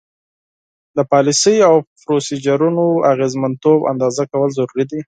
د پالیسیو او پروسیجرونو اغیزمنتوب اندازه کول ضروري دي.